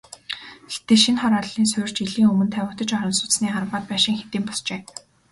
Гэхдээ шинэ хорооллын суурь жилийн өмнө тавигдаж, орон сууцны арваад байшин хэдийн босжээ.